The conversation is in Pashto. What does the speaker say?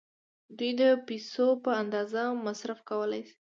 دوی د پیسو په اندازه مصرف کولای شي.